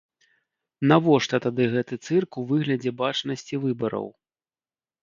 Навошта тады гэты цырк у выглядзе бачнасці выбараў?